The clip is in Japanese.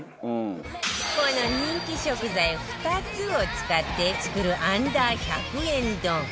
この人気食材２つを使って作る Ｕ−１００ 円丼